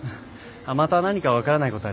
また何か分からないことあれば聞いて。